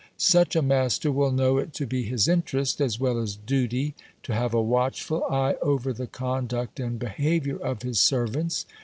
Such a master will know it to be his interest, as well as duty, to have a watchful eye over the conduct and behaviour of his servants.